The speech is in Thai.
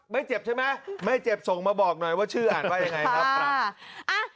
ไม่เจ็บใช่ไหมไม่เจ็บส่งมาบอกหน่อยว่าชื่ออ่านว่ายังไงครับ